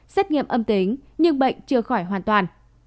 xét nghiệm âm tính nhưng bệnh chưa khỏi hoàn toàn